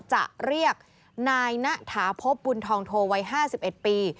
จะเรียกนายณฐาพบบุญทองโทวัย๕๑ปี